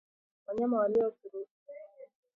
wanyama walioathiriwa wakijisugulia kwenye miti